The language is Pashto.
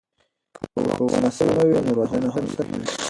که ښوونه سمه وي نو روزنه هم سمه وي.